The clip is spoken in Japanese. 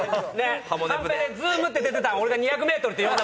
カンペで「Ｚｏｏｍ」って出てたん俺が「２００ｍ」って読んだ。